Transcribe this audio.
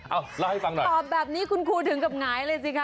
เอาเล่าให้ฟังหน่อยตอบแบบนี้คุณครูถึงกับหงายเลยสิคะ